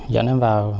dẫn em vào